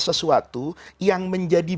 sesuatu yang menjadi